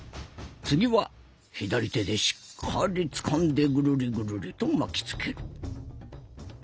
次は左手でしっかりつかんでぐるりぐるりと巻きつける。